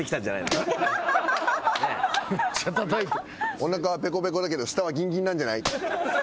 おなかはペコペコだけど下はギンギンなんじゃない？